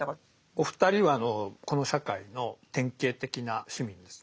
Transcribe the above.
お二人はこの社会の典型的な市民です。